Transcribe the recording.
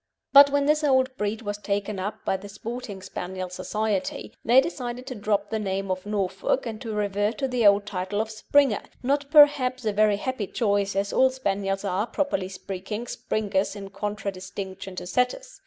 But, when this old breed was taken up by the Sporting Spaniel Society, they decided to drop the name of "Norfolk," and to revert to the old title of "Springer," not, perhaps, a very happy choice, as all Spaniels are, properly speaking, Springers in contradistinction to Setters.